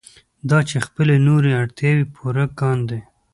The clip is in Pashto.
دا چې خپلې نورې اړتیاوې پوره کاندي.